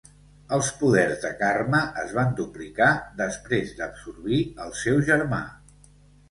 Els poders de Karma es van duplicar després d'absorbir al seu germà.